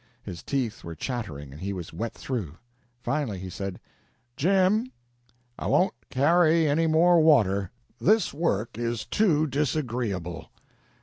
His teeth were chattering, and he was wet through. Finally he said: "Jim, I won't carry any more water. This work too disagreeable."